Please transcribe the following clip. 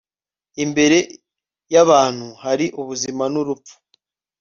imbere y'abantu hari ubuzima n'urupfu